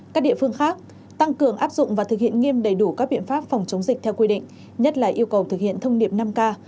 các địa phương khác tăng cường áp dụng và thực hiện nghiêm đầy đủ các biện pháp phòng chống dịch theo quy định nhất là yêu cầu thực hiện thông điệp năm k